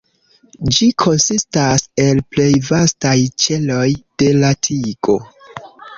Ĝi konsistas el plej vastaj ĉeloj de la tigo.